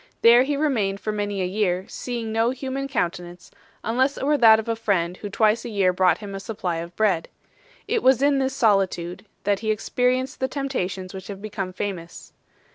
There he remained for many a year, seeing no human countenance, unless it were that of a friend who twice a year brought him a supply of bread. It was in this solitude that he experienced the temptations which have become famous.